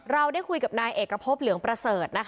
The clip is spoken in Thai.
เราได้คุยกับนายเอกพบเหลืองประเสริฐ